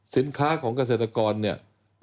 สินค้าของเกษตรกรเนี่ย